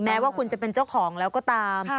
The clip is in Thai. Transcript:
แม้ว่าคุณจะเป็นเจ้าของแล้วก็ตาม